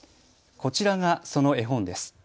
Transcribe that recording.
こちらがその絵本です。